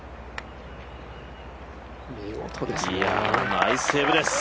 ナイスセーブです。